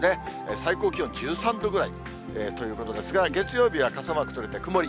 最高気温１３度ぐらいということですが、月曜日は傘マーク取れて曇り。